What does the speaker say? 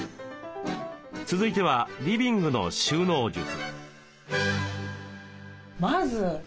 続いてはリビングの収納術。